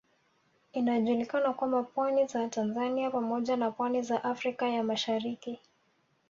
Inajulikana kwamba pwani za Tanzania pamoja na pwani za Afrika ya Mashariki